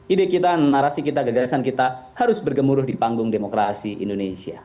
ide kita narasi kita gagasan kita harus bergemuruh di panggung demokrasi indonesia